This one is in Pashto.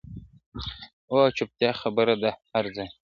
o او چوپتيا خپره ده هر ځای,